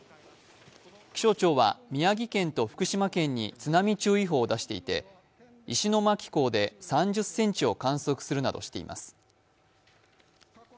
気象庁は宮城県と福島県に津波注意報を出していて、石巻港で３０センチを観測するなどしています。